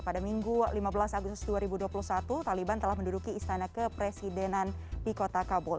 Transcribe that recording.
pada minggu lima belas agustus dua ribu dua puluh satu taliban telah menduduki istana kepresidenan di kota kabul